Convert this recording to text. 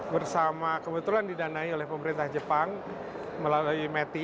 bersama kebetulan didanai oleh pemerintah jepang melalui meti